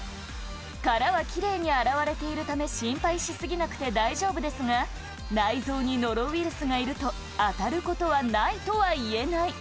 殻はきれいにあらわれているため心配し過ぎなくて大丈夫ですが、内臓にノロウイルスがいるとあたることはないとは言えない。